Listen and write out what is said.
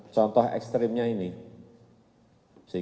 jadi sampai mikan